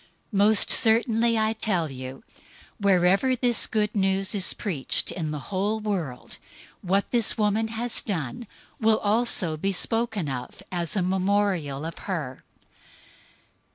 026:013 Most certainly I tell you, wherever this Good News is preached in the whole world, what this woman has done will also be spoken of as a memorial of her."